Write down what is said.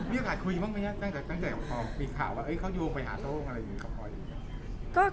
มีกระแสคุยบ้างไหมตั้งแต่ตอนไปข่าวว่าเขาโดนยวงไปหาโต้อะไรอย่างงี้